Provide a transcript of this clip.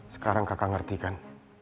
sekarang kakak ngerti kan